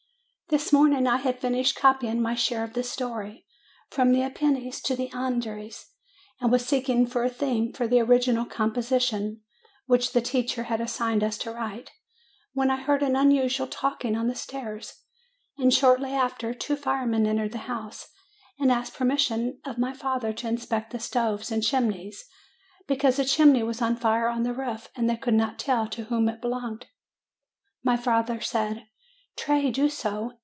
This morning I had finished copying my share of the story, From the Apennines to the Andes, and was seek ing for a theme for the original composition which the 250 MAY teacher had assigned us to write, when I heard an unusual talking on the stairs, and shortly after two firemen entered the house, and asked permission of my father to inspect the stoves and chimneys, because a chimney was on fire on the roof, and they could not tell to whom it belonged. My father said, 'Tray do so."